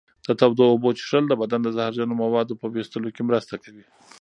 د تودو اوبو څښل د بدن د زهرجنو موادو په ویستلو کې مرسته کوي.